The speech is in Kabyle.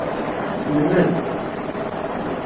Lmed.